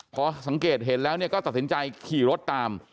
เพราะสังเกตเห็นแล้วเนี่ยก็สัตว์สินใจขี่รถตาม